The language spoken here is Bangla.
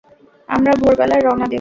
আমরা ভোরবেলায় রওনা দেব।